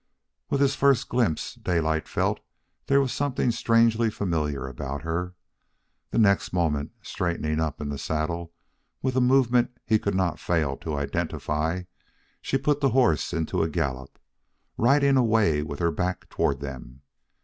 With his first glimpse, Daylight felt there was something strangely familiar about her. The next moment, straightening up in the saddle with a movement he could not fail to identify, she put the horse into a gallop, riding away with her back toward them.